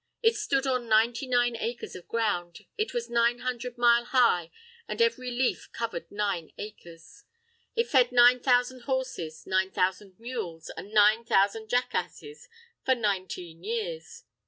It stood on ninety nine acres of ground, it was nine hundred mile high, an' every leaf covered nine acres. It fed nine thousand horses, nine thousand mules, an' nine thousand jackasses for nineteen years.